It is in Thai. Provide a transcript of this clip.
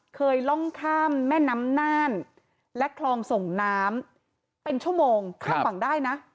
คลองข้ามแม่น้ำน่านและคลองส่งน้ำเป็นชั่วโมงข้ามฝั่งได้นะ